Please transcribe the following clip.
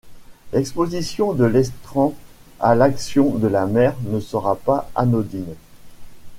L'exposition de l'estran à l'action de la mer ne sera pas anodine.